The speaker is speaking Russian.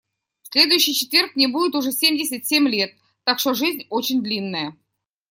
В следующий четверг мне будет уже семьдесят семь лет, так что жизнь очень длинная.